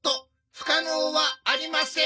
不可能はありません。